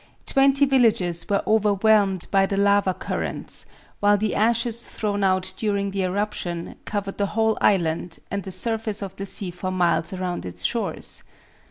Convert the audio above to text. Twenty villages were overwhelmed by the lava currents, while the ashes thrown out during the eruption covered the whole island and the surface of the sea for miles around its shores.